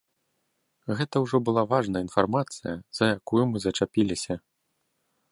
Гэта ўжо была важная інфармацыя, за якую мы зачапіліся.